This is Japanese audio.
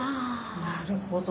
なるほど。